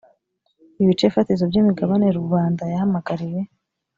ibice fatizo by imigabane rubanda yahamagariwe